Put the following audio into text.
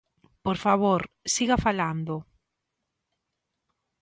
Por favor, siga falando.